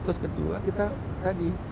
terus kedua kita tadi